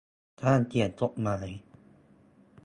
การเขียนจดหมาย